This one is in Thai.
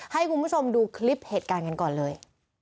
ให้คุณผู้ชมดูคลิปเหตุการณ์กันก่อนเลย